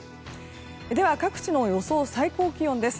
では各地の予想最高気温です。